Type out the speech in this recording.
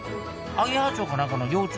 アゲハチョウか何かの幼虫。